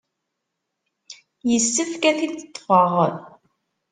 Yessefk ad t-id-ṭṭfeɣ.